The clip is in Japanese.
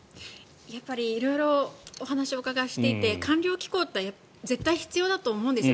やっぱり色々お話をお伺いしていて官僚機構というのは絶対必要だと思うんですよ。